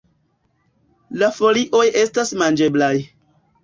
La folioj estas manĝeblaj.